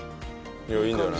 いやいいんじゃない？